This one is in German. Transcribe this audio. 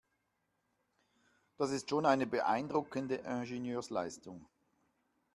Das ist schon eine beeindruckende Ingenieursleistung.